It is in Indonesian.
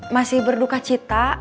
masih berduka cita